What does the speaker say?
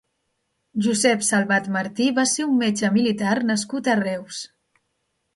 Josep Salvat Martí va ser un metge militar nascut a Reus.